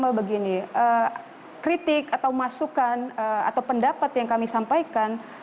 bahwa begini kritik atau masukan atau pendapat yang kami sampaikan